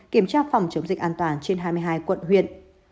kiểm tra phòng chống dịch an toàn trên hai mươi hai quận huyện